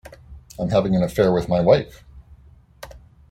I'm having an affair with my wife!